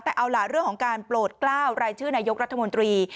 แต่เอาล่ะเรื่องของการโปรดกล้าวรายชื่อนายกรัฐมนตรี